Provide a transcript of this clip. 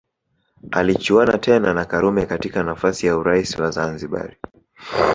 Alichuana tena na Karume katika nafasi ya urais wa Zanzibari